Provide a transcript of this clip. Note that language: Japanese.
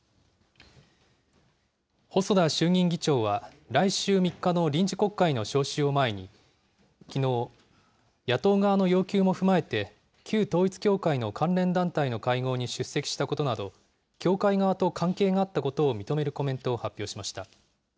細田衆議院議長は、来週３日の臨時国会の召集を前に、きのう、野党側の要求も踏まえて旧統一教会の関連団体の会合に出席したことなど、教会側と関係があったことを認めるコメントを発表しました。